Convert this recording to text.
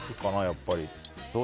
やっぱり。